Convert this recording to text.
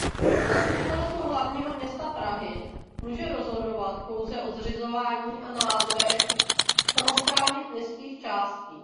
Zastupitelstvo hlavního města Prahy může rozhodovat pouze o zřizování a názvech samosprávných městských částí.